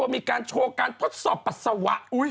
มีการโชว์การทดสอบปัสสาวะ